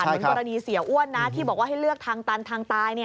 เหมือนกรณีเสียอ้วนนะที่บอกว่าให้เลือกทางตันทางตาย